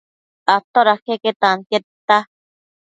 Atoda queque tantia tita